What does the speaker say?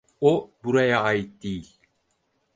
O buraya ait değil.